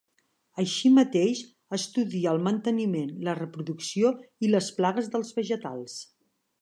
Així mateix, estudia el manteniment, la reproducció i les plagues dels vegetals